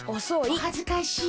おはずかしい。